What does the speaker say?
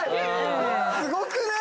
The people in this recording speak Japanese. すごくない？